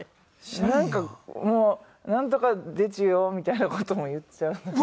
なんかもうなんとかでちゅよみたいな事も言っちゃう。